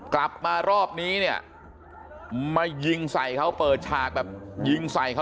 กลับมารอบนี้เนี่ยมายิงใส่เขาเปิดฉากแบบยิงใส่เขา